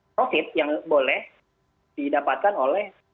profit yang boleh didapatkan oleh